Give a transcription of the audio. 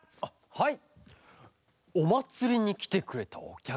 はい！